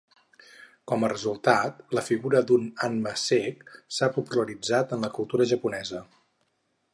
Com a resultat, la figura d'un '"anma cec" s'ha popularitzat en la cultura japonesa.